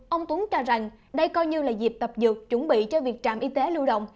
ông tuấn cho rằng đây coi như là dịp tập dược chuẩn bị cho việc trạm y tế lưu động